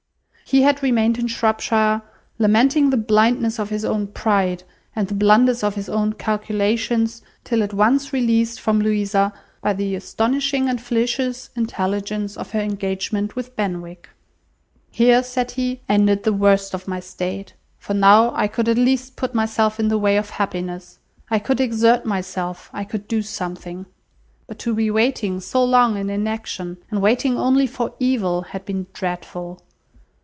He had remained in Shropshire, lamenting the blindness of his own pride, and the blunders of his own calculations, till at once released from Louisa by the astonishing and felicitous intelligence of her engagement with Benwick. "Here," said he, "ended the worst of my state; for now I could at least put myself in the way of happiness; I could exert myself; I could do something. But to be waiting so long in inaction, and waiting only for evil, had been dreadful.